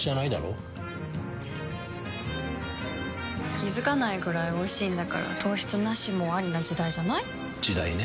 気付かないくらいおいしいんだから糖質ナシもアリな時代じゃない？時代ね。